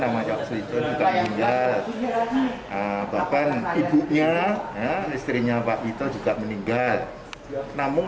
bapaknya nama jawab suci juga meninggal bahkan ibunya istrinya pak itu juga meninggal namun